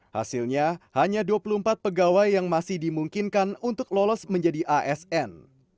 hasilnya hanya dua puluh empat pegawai yang masih dimungkinkan untuk lolos menjadi asn